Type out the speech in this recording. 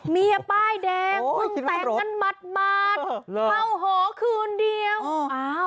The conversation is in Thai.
เมียป้ายแดงเพิ่งแต่งกันหมาดเข้าหอคืนเดียวอ้าว